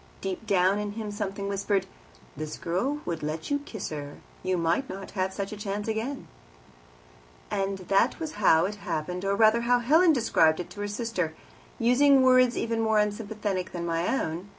Deep down in him something whispered, "This girl would let you kiss her; you might not have such a chance again." That was "how it happened," or, rather, how Helen described it to her sister, using words even more unsympathetic than my own.